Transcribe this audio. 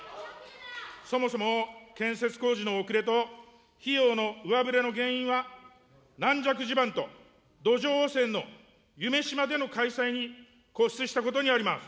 そもそも建設工事の遅れと費用の上振れの原因は、軟弱地盤と土壌汚染の夢洲での開催に固執したことにあります。